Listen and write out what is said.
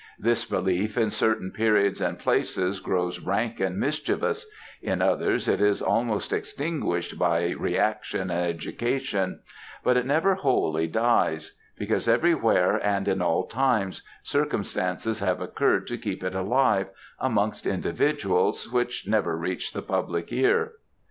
This belief, in certain periods and places, grows rank and mischievous; at others, it is almost extinguished by reaction and education; but it never wholly dies; because, every where and in all times, circumstances have occurred to keep it alive, amongst individuals, which never reach the public ear.